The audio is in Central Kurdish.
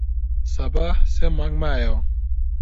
سەباح سێ مانگ مایەوە.